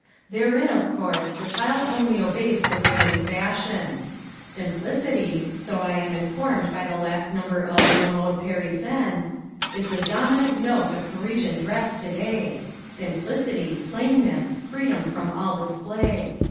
Therein, of course, the child only obeys the reigning fashion. Simplicity, so I am informed by the last number of La Mode Parisienne, is the dominant note of Parisian dress to day, simplicity, plainness, freedom from all display.